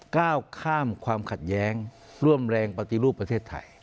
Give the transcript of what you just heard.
ก้าวข้ามความขัดแย้งร่วมแรงปฏิรูปประเทศไทย